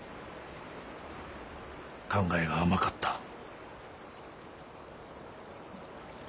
考えが甘かった。